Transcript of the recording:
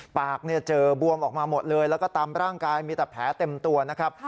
ปากเจอบวมออกมาหมดเลยแล้วก็ตามร่างกายมีแต่แผลเต็มตัวนะครับ